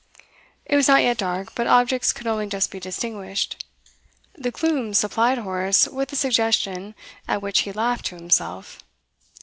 It was not yet dark, but objects could only just be distinguished; the gloom supplied Horace with a suggestion at which he laughed to himself.